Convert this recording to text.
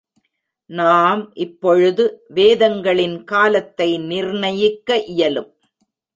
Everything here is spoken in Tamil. நாம் இப்பொழுது வேதங்களின் காலத்தை நிர்ணயிக்க இயலும்.